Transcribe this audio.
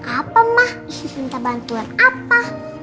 apa ma minta bantuan apa